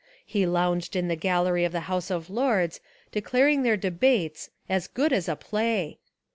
He lounged In the gallery of the House of Lords declaring their debates "as good as a play."